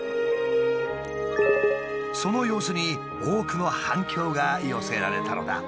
その様子に多くの反響が寄せられたのだ。